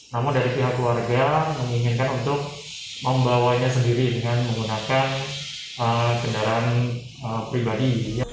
namun dari pihak keluarga menginginkan untuk membawanya sendiri dengan menggunakan kendaraan pribadi